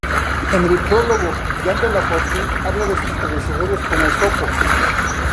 En el prólogo, Jean de La Fontaine habla de sus predecesores como Esopo.